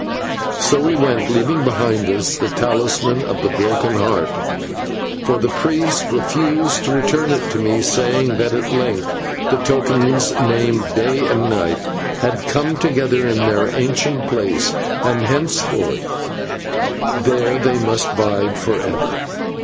So we went, leaving behind us the talisman of the Broken Heart, for the priests refused to return it to me, saying that at length the tokens named Day and Night had come together in their ancient place, and henceforth there they must bide for ever.